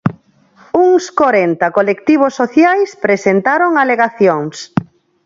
Uns corenta colectivos sociais presentaron alegacións.